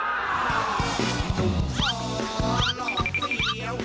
นั่งจริงถูกชอหล่อเซียว